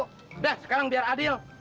udah sekarang biar adil